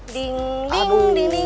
ding ding di ding